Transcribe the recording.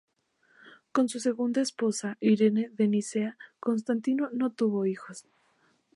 Con su segunda esposa, Irene de Nicea, Constantino no tuvo hijos.